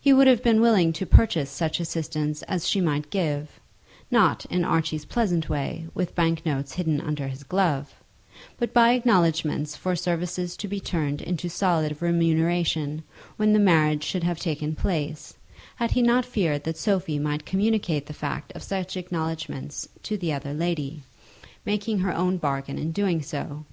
He would have been willing to purchase such assistance as she might give, not in Archie's pleasant way, with bank notes hidden under his glove, but by acknowledgments for services to be turned into solid remuneration when the marriage should have taken place, had he not feared that Sophie might communicate the fact of such acknowledgments to the other lady, making her own bargain in doing so.